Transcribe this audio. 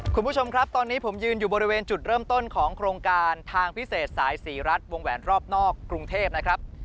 คุณผู้ชมครับตอนนี้ผมยืนอยู่บริเวณจุดเริ่มต้นของโครงการทางพิเศษสายศรีรัฐวงแหวนรอบนอกกรุงเทพนะครับ